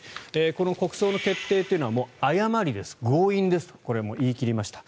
この国葬の決定というのは誤りです、強引ですとこれ、言い切りました。